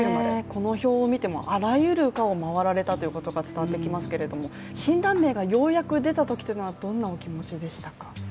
この表を見てもあらゆる科を回られたというのが伝わってきますけど診断名がようやく出たときというのはどんなお気持ちでしたか？